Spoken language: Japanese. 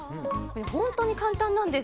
本当に簡単なんです。